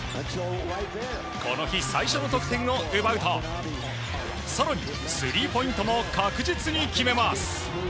この日、最初の得点を奪うと更にスリーポイントも確実に決めます。